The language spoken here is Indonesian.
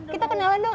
kita kenalan dong